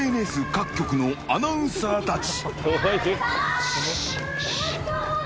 各局のアナウンサーたち。